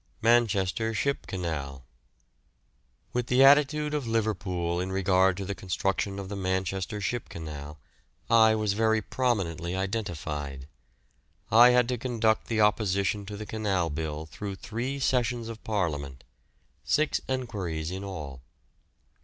MANCHESTER SHIP CANAL. With the attitude of Liverpool in regard to the construction of the Manchester Ship Canal I was very prominently identified. I had to conduct the opposition to the Canal Bill through three sessions of Parliament, six enquiries in all.